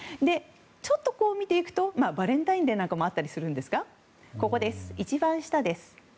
ちょっと、見ていくとバレンタインデーなんかもあったりするんですが一番下です。